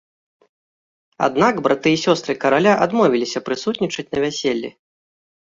Аднак браты і сёстры караля адмовіліся прысутнічаць на вяселлі.